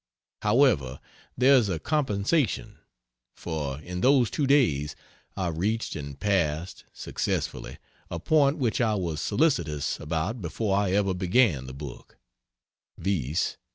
However, there's a compensation; for in those two days I reached and passed successfully a point which I was solicitous about before I ever began the book: viz.